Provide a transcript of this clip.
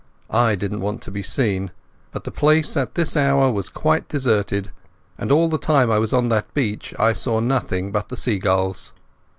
I didn't want to be seen, but the place at this hour was quite deserted, and all the time I was on that beach I saw nothing but the seagulls.